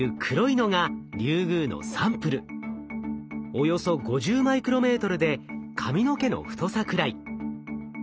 およそ５０マイクロメートルで髪の毛の太さくらい。